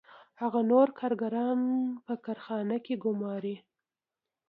هغه نور کارګران په کارخانه کې ګوماري